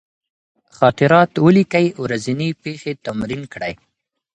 خاطرات ولیکئ، ورځني پېښې تمرین کړئ.